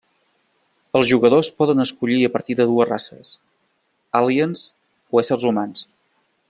Els jugadors poden escollir a partir de dues races: aliens o éssers humans.